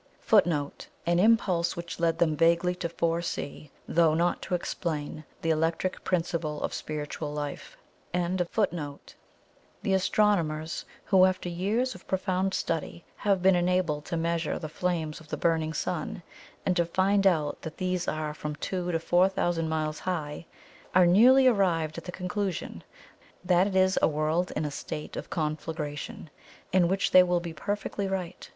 [Footnote: An impulse which led them vaguely to foresee, though, not to explain, the electric principle of spiritual life.] The astronomers who, after years of profound study, have been enabled to measure the flames of the burning sun, and to find out that these are from two to four thousand miles high, are nearly arrived at the conclusion that it is a world in a state of conflagration, in which they will be perfectly right.